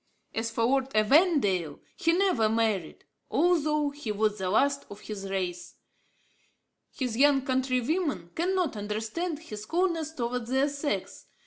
As for Lord Evandale, he never married, although he was the last of his race. His young countrywomen cannot understand his coldness towards their sex.